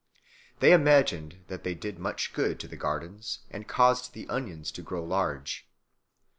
They imagined that they did much good to the gardens and caused the onions to grow large.